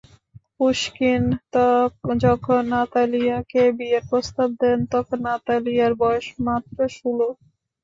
Pushkin যখন নাতালিয়াকে বিয়ের প্রস্তাব দেন, তখন নাতালিয়ার বয়স মাত্র ষোলো।